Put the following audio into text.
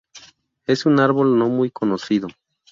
Es un árbol no muy conocido.